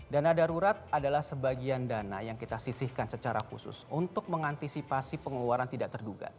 dana darurat adalah sebagian dana yang kita sisihkan secara khusus untuk mengantisipasi pengeluaran tidak terduga